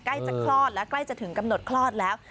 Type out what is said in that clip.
ใกล้จะคลอดและใกล้จะถึงกำหนดคลอดแล้ว